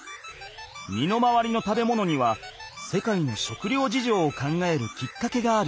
身の回りの食べ物には世界の食料事情を考えるきっかけがある。